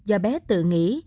do bé tự nghĩ